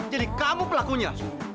jadi kamu pelakunya